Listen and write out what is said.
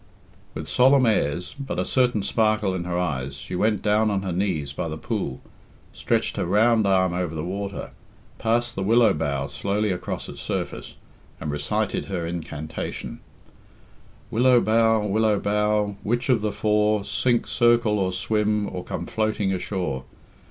With solemn airs, but a certain sparkle in her eyes, she went down on her knees by the pool, stretched her round arm over the water, passed the willow bough slowly across its surface, and recited her incantation: Willow bough, willow bough, which of the four, Sink, circle, or swim, or come floating ashore?